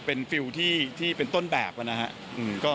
เป็นฟิลที่เป็นต้นแบบนะครับ